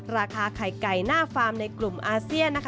ราคาไข่ไก่หน้าฟาร์มในกลุ่มอาเซียนนะคะ